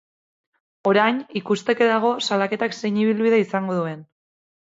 Orain ikusteke dago salaketak zein ibilbide izango duen.